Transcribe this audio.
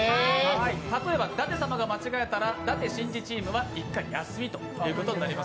例えば舘様が間違えたら舘しんじチームは１回休みになります。